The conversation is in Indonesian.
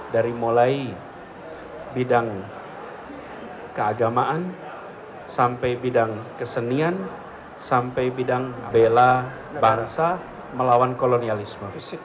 dari mulai bidang keagamaan sampai bidang kesenian sampai bidang bela bangsa melawan kolonialisme